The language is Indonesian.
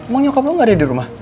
mau nyokap lo gak ada di rumah